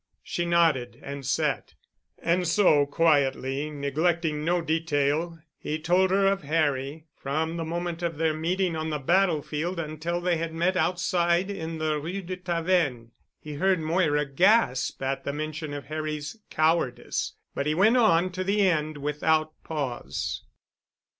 She nodded and sat. And so, quietly, neglecting no detail, he told her of Harry, from the moment of their meeting on the battlefield until they had met outside in the Rue de Tavennes. He heard Moira gasp at the mention of Harry's cowardice, but he went on to the end, without pause.